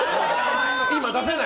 今出せない。